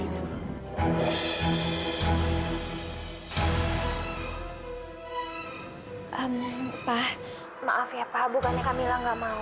itu untuk kamu